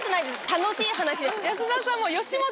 楽しい話です。